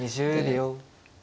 ２０秒。